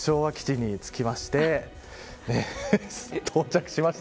これ昭和基地に着きまして。